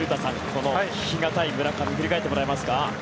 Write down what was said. この比嘉対村上振り返ってもらえますか？